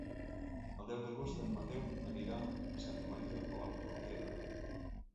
El deu d'agost en Mateu anirà a Santa Maria de Palautordera.